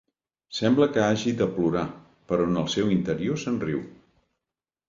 Sembla que hagi de plorar, però en el seu interior se'n riu.